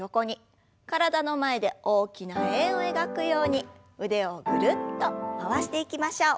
体の前で大きな円を描くように腕をぐるっと回していきましょう。